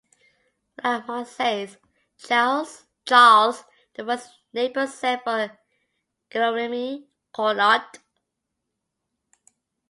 While at Marseilles, Charles the First of Naples sent for Guillaume Cornut.